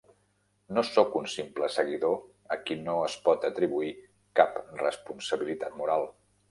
No sóc un simple seguidor a qui no es pot atribuir cap responsabilitat moral.